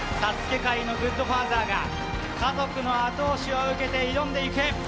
界のグッドファーザーが家族の後押しを受けて挑んでいく。